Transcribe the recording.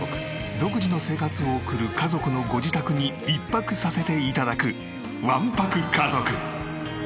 独自の生活を送る家族のご自宅に１泊させて頂く『１泊家族』。